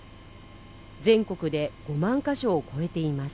全国で５万か所を超えています